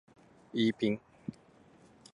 イーピン